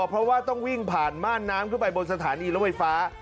เพราะว่าต้องวิ่งผ่านม่านน้ำขึ้นไปบนสถานีรถไฟฟ้า